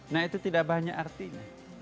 nah itu tidak banyak artinya